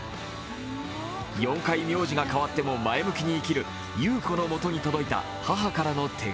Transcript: ４回名字が変わっても、前向きに生きる優子のもとに届いた母からの手紙。